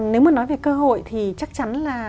nếu mà nói về cơ hội thì chắc chắn là